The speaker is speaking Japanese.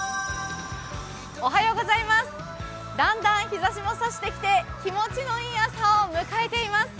だんだん日ざしも差してきて、気持ちのいい朝を迎えています。